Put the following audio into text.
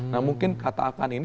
nah mungkin kata akan ini